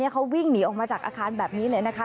เขาวิ่งหนีออกมาจากอาคารแบบนี้เลยนะคะ